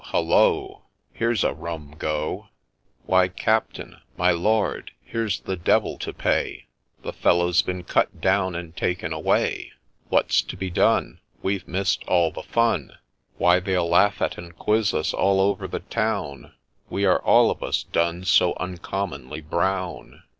Hollo! Here 's a rum Go ! Why, Captain !— my Lord !— Here 's the devil to pay : The fellow 's been cut down and taken away 1 What 's to be done ? We've miss'd all the fun !— Why, they'll laugh at and quiz us all over the town, We are all of us done so uncommonly brown